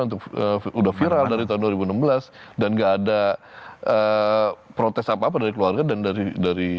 untuk udah viral dari tahun dua ribu enam belas dan enggak ada protes apa apa dari keluarga dan dari dari